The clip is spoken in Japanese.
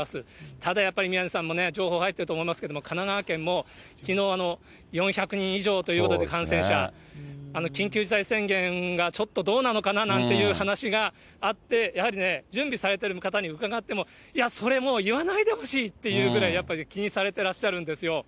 ただやっぱり、宮根さんもね、情報入ってると思いますけど、神奈川県もきのう、４００人以上ということで、感染者、緊急事態宣言がちょっとどうなのかななんていう話があって、やはり準備されてる方に伺っても、いや、それ、もう言わないでほしいっていうぐらい、気にされてらっしゃるんですよ。